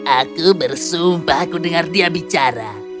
aku bersumpah aku dengar dia bicara